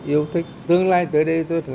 yêu thích tương lai tới đây tôi sẽ